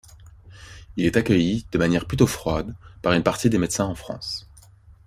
Il est accueilli de manière plutôt froide par une partie des médecins en France.